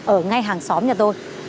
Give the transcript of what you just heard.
ở ngay hàng xóm nhà tôi